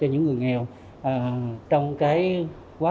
bởi tướngông thư và trong lúc đang đến nước grip này